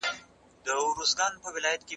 په لویه جرګه کي د علماوو مشوري څنګه منل کیږي؟